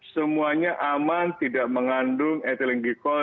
semuanya aman tidak mengandung ethylene glycol